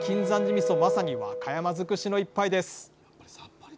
みそまさに和歌山づくしの一杯です！